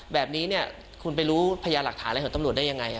แบบนี้คุณไปรู้พยานหลักฐานอะไรของตำรวจได้ยังไง